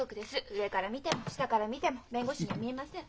上から見ても下から見ても弁護士には見えません。